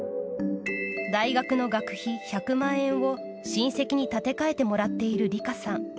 大学の学費１００万円を親戚に立て替えてもらっているリカさん。